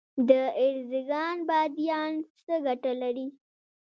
د ارزګان بادیان څه ګټه لري؟